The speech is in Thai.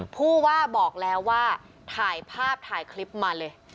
ผู้ว่าบอกแล้วว่าถ่ายภาพถ่ายคลิปมาเลย